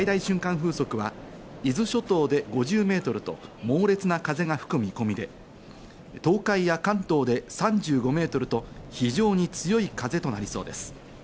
風速は伊豆諸島で５０メートルと猛烈な風が吹く見込みで、東海や関東で３５メートルと非常に強い風となりそうです。